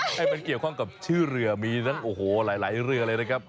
ให้มันเกี่ยวข้องกับชื่อเรือมีทั้งโอ้โหหลายเรือเลยนะครับ